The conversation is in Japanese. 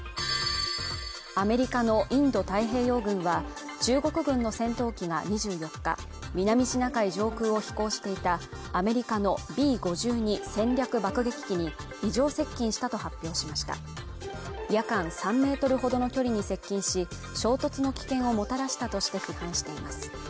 アメリカのインド太平洋軍は中国軍の戦闘機が２４日南シナ海上空を飛行していたアメリカのＢ５２戦略爆撃機に異常接近したと発表しました夜間３ｍほどの距離に接近し衝突の危険をもたらしたとして批判しています